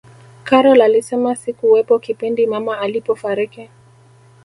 karol alisema sikuwepo kipindi mama alipofariki